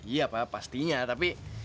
iya pak pastinya tapi